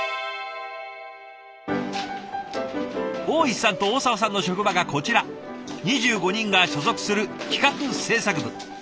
大石さんと大澤さんの職場がこちら２５人が所属する企画制作部。